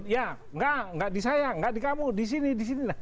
ya enggak enggak di saya enggak di kamu di sini di sini